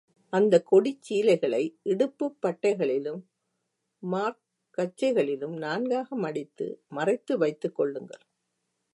அந்தக் கொடிச் சீலைகளை இடுப்புப் பட்டைகளிலும் மார்க்கச்சைகளிலும் நான்காக மடித்து மறைத்து வைத்துக் கொள்ளுங்கள்.